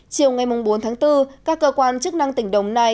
chiều bốn bốn các cơ quan chức năng tỉnh đồng nai